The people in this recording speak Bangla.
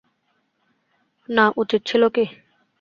না, উচিত ছিল কি?